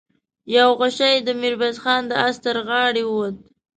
يو غشۍ د ميرويس خان د آس تر غاړې ووت.